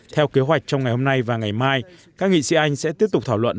theo kế hoạch trong ngày hôm nay và ngày mai các nghị sĩ anh sẽ tiếp tục thảo luận